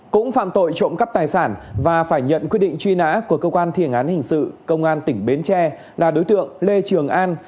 cũng phạm tội trộm cắp tài sản và phải nhận quyết định truy nã của cơ quan thiền án hình sự công an tỉnh bến tre là đối tượng lê trường an